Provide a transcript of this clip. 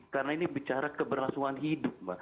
karena ini bicara keberhasilan hidup